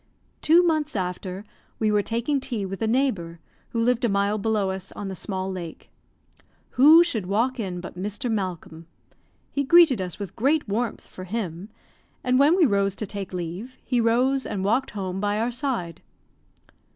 Two months after, we were taking tea with a neighbour, who lived a mile below us on the small lake. Who should walk in but Mr. Malcolm? He greeted us with great warmth for him, and when we rose to take leave, he rose and walked home by our side.